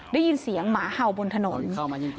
ได้ยินเสียงหมาเห่าบนถนนเดี๋ยวเข้ามาจริงจริง